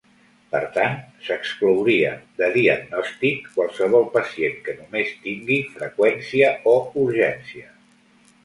Per tant, s'exclouria de diagnòstic qualsevol pacient que només tingui freqüència o urgència.